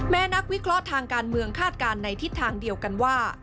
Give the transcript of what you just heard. นักวิเคราะห์ทางการเมืองคาดการณ์ในทิศทางเดียวกันว่า